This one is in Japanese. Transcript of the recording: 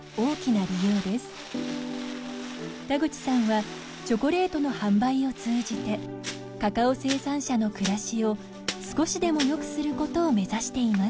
田口さんはチョコレートの販売を通じてカカオ生産者の暮らしを少しでも良くすることを目指しています。